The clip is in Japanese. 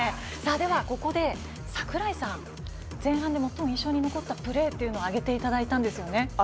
ここで櫻井さん前半で最も印象に残ったプレーを挙げていただいたんですよね。